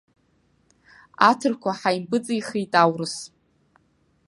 Аҭырқәа ҳимпыҵихит аурыс.